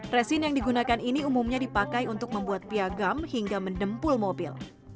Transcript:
resin yang digunakan ini umumnya dipakai untuk membuat piagam hingga mendempul mobil